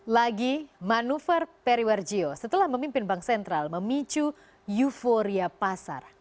lagi manuver perry warjio setelah memimpin bank sentral memicu euforia pasar